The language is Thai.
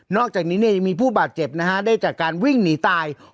อกจากนี้ยังมีผู้บาดเจ็บนะฮะได้จากการวิ่งหนีตาย